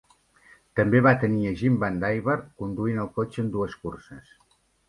També va tenir a Jim VanDiver conduint el cotxe en dues curses.